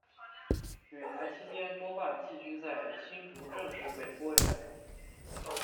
旅台期间多半寄居在新竹郑氏北郭园中。